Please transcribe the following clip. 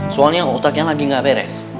soalnya otaknya lagi gak beres